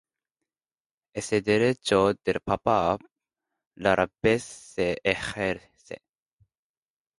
Este derecho del Papa rara vez se ejerce.